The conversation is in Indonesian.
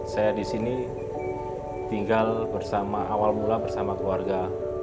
saya di sini tinggal bersama awal mula bersama keluarga